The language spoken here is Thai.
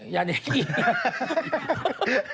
ยาเหน็บอีก